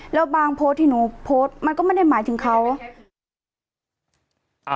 แล้วบางโพสต์ที่หนูโพสต์มันก็ไม่ได้หมายถึงเขา